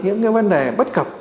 những cái vấn đề bất cập